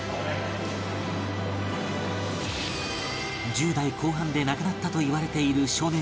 １０代後半で亡くなったといわれている少年